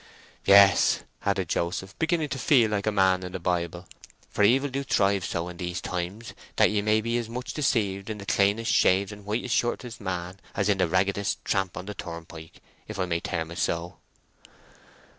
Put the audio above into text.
"Yes," added Joseph, beginning to feel like a man in the Bible; "for evil do thrive so in these times that ye may be as much deceived in the cleanest shaved and whitest shirted man as in the raggedest tramp upon the turnpike, if I may term it so."